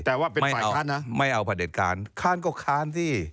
แต่ว่าเป็นฝ่ายค้านนะไม่เอาประเด็จการค้านก็ค้านสิ